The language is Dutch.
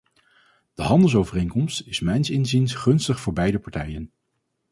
De handelsovereenkomst is mijns inziens gunstig voor beide partijen.